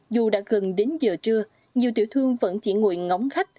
dù đã gần đến giờ trưa nhiều tiểu thương vẫn chỉ ngồi ngóng khách